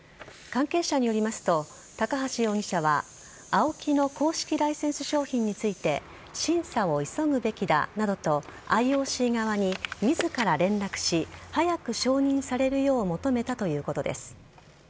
関係者によりますと高橋容疑者はＡＯＫＩの公式ライセンス商品について審査を急ぐべきだなどとＩＯＣ側に自ら連絡し早く承認されるよう求めたということです。